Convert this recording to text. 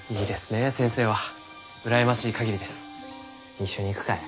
一緒に行くかえ？